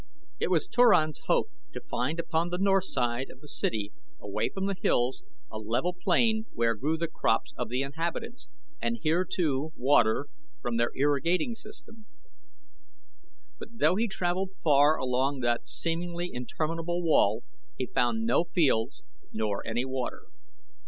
It was Turan's hope to find upon the north side of the city away from the hills a level plain where grew the crops of the inhabitants, and here too water from their irrigating system, but though he traveled far along that seemingly interminable wall he found no fields nor any water.